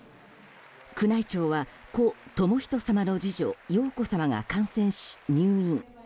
宮内庁は、故・寛仁さまの次女・瑶子さまが感染し入院。